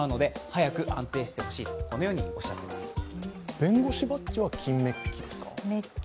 弁護士バッチは金メッキですか？